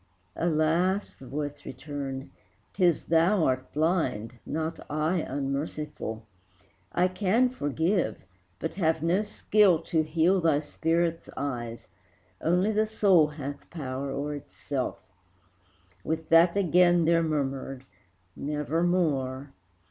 "Alas!" the voice returned, "'t is thou art blind, Not I unmerciful; I can forgive, But have no skill to heal thy spirit's eyes; Only the soul hath power o'er itself." With that again there murmured "Nevermore!"